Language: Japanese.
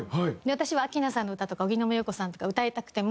私は明菜さんの歌とか荻野目洋子さんとか歌いたくても。